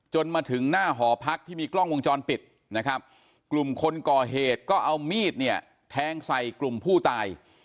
มาถึงหน้าหอพักที่มีกล้องวงจรปิดนะครับกลุ่มคนก่อเหตุก็เอามีดเนี่ยแทงใส่กลุ่มผู้ตาย